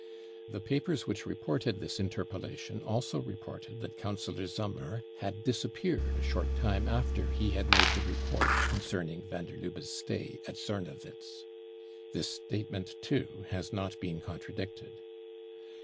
The papers which reported this interpellation also re , ported that Councillor Sommer had disappeared a sholt time after he had made the report concerning van der ^ Lubbe's stay at Sornewitz. This statement too has not been contradicted.